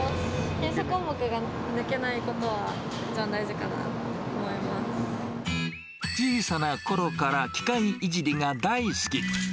検査項目が抜けないことが一番大小さなころから機械いじりが大好き。